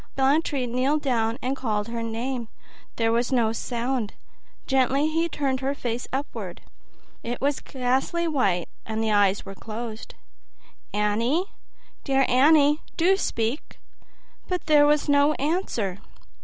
Blantyre kneeled down and called her name: there was no sound. Gently he turned her face upward: it was ghastly white and the eyes were closed. "Annie, dear Annie, do speak!" But there was no answer.